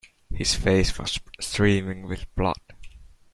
His face was streaming with blood.